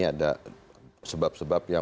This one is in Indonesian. ada sebab sebab yang